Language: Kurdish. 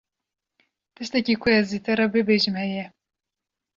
Tiştekî ku ez ji te re bibêjim heye.